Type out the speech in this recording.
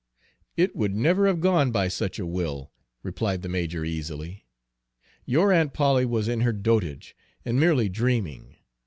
"It would never have gone by such a will," replied the major easily. "Your Aunt Polly was in her dotage, and merely dreaming.